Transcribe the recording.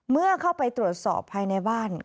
เมื่อเข้าไปตรวจสอบภายในบ้าน